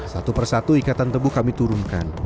satu persatu ikatan tebu kami turunkan